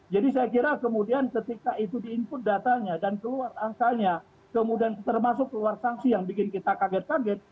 jadi saya kira kemudian ketika itu di input datanya dan keluar angkanya kemudian termasuk keluar sanksi yang bikin kita kaget kaget